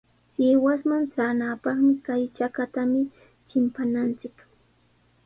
Sihuasman traanapaqmi kay chakatami chimpananchik.